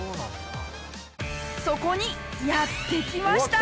そこにやって来ました。